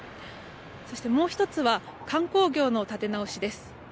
そしてもう１つは観光業の立て直しです。